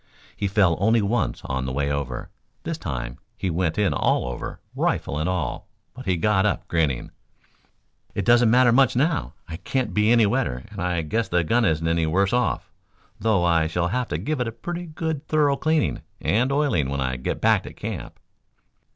He fell only once on the way over. This time he went in all over, rifle and all, but he got up grinning. "It doesn't matter much now. I can't be any wetter, and I guess the gun isn't any the worse off, though I shall have to give it a pretty thorough cleaning and oiling when I get back to camp."